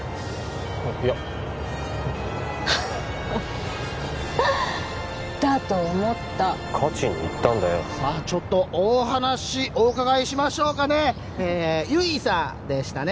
いやだと思った勝ちに行ったんだよさあちょっとお話お伺いしましょうかねえ悠依さんでしたね